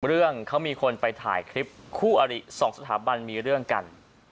เรื่องเขามีคนไปถ่ายคลิปคู่อริ๒สถาบันมีเรื่องกัน